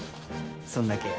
そんだけや。